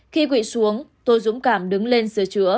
khi quỵ xuống tôi dũng cảm đứng lên sửa chữa